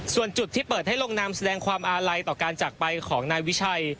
ส่วนจุดที่เปิดให้ลงนามแสดงความอาลัยต่อการจากไปของนายวิชัย